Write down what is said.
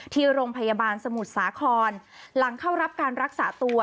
ที่โรงพยาบาลสมุทรสาครหลังเข้ารับการรักษาตัว